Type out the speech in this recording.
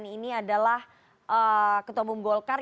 ini adalah ketua umum golkar